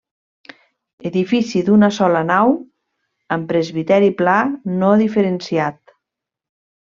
Edifici d'una sola nau, amb presbiteri pla no diferenciat.